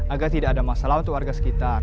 agar tidak ada masalah untuk warga sekitar